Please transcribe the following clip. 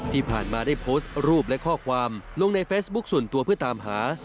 ที่ผ่านมาได้โพสต์รูปและข้อความลงในเฟซบุ๊คส่วนตัวเพื่อตามหา